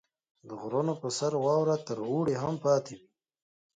• د غرونو په سر واوره تر اوړي هم پاتې وي.